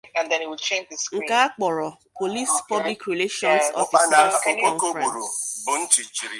nke a kpọrọ 'Police Public Relations Officers’ Conference'